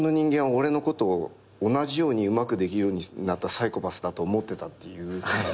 俺のことを同じようにうまくできるようになったサイコパスだと思ってたっていうことを。